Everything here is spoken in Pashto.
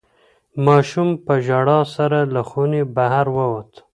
ماشوم په ژړا سره له خونې بهر ووت.